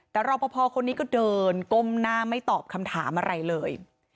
แต่รอปภคนนี้ก็เดินก้มหน้าไม่ตอบคำถามอะไรเลย